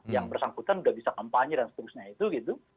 yang bersangkutan udah bisa kampanye dan seterusnya gitu